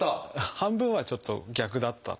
半分はちょっと逆だったと。